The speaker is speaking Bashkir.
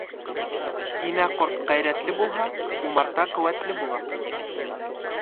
Инә ҡорт ғәйрәтле булһа, умарта ҡеүәтле була.